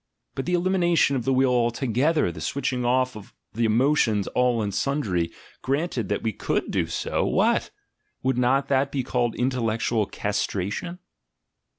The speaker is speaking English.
But the elimination of the will altogether, the switching off of the emotions all and sundry, granted that we could do so, vvhat! would not that be called intellectual castration?